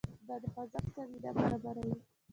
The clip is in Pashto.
دا د خوځښت زمینه برابروي.